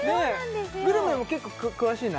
グルメも結構詳しいの？